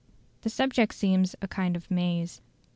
The subject seems a kind of maze.